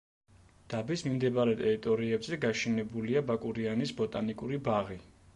დაბის მიმდებარე ტერიტორიებზე გაშენებულია ბაკურიანის ბოტანიკური ბაღი.